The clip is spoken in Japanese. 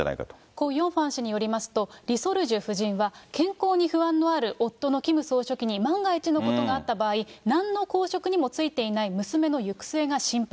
コ・ヨンファ氏によりますと、リ・ソルジュ夫人は、健康に不安のある夫のキム総書記に万が一のことがあった場合、なんの公職にも就いていない娘の行く末が心配。